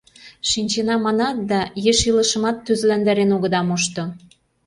Шинчена манат да, еш илышымат тӱзландарен огыда мошто...